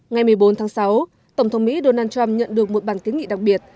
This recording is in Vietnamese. ngày một mươi bốn tháng sáu tổng thống mỹ donald trump nhận được một bàn ký nghị đặc biệt